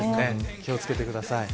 気を付けてください。